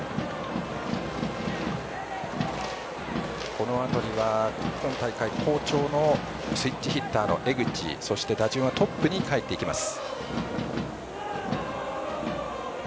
このあとには、今大会好調のスイッチヒッターの江口そして、打順はトップにかえっていきます。